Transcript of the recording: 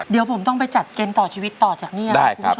เดี๋ยวผมต้องไปจัดเกณฑ์ต่อชีวิตต่อจากนี้นะครับคุณผู้ชมครับ